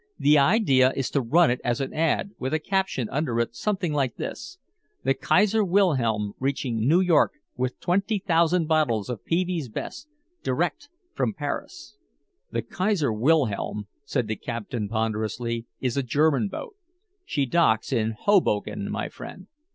The idea is to run it as an ad, with a caption under it something like this: 'The Kaiser Wilhelm reaching New York with twenty thousand bottles of Peevey's Best, direct from Paris.'" "The Kaiser Wilhelm," said the captain ponderously, "is a German boat. She docks in Hoboken, my friend."